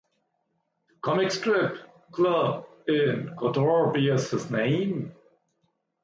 The comic strip club in Kotor bears his name.